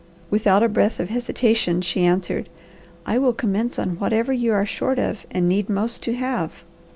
Without a breath of hesitation she answered, "I will commence on whatever you are short of and need most to have."